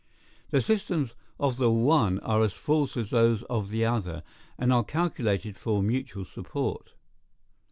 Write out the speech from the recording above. The systems of the one are as false as those of the other, and are calculated for mutual support.